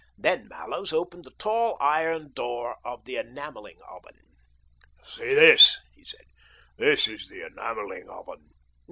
Then Mallows opened the tall iron door of the enamelling oven. "See this," he said; "this is the enamelling oven.